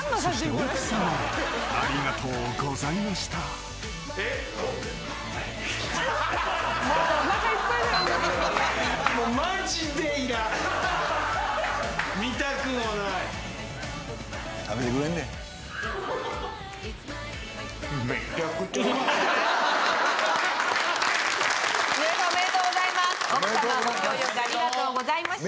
奥さまご協力ありがとうございました。